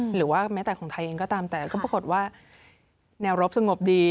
หรือว่าแม้แต่ของไทยเองก็ตามแต่ก็ปรากฏว่าแนวรบสงบดี